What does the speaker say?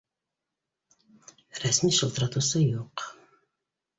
— Рәсми шылтыратыусы юҡ